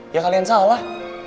ya kalian salah